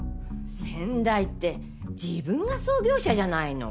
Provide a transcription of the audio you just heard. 先代って自分が創業者じゃないの。